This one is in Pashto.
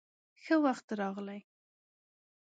_ښه وخت راغلې.